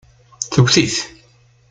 Twet-it.